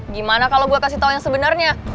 gimana kalo gue kasih tau yang sebenernya